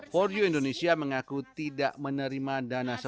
for you indonesia mengaku tidak menerima dana sebesar